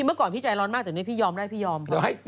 เมื่อก่อนพี่ใจร้อนมากแต่นี่พี่ยอมได้พี่ยอม